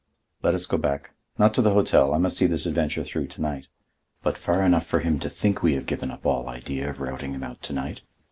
Let us go back,—not to the hotel, I must see this adventure through tonight,—but far enough for him to think we have given up all idea of routing him out to night.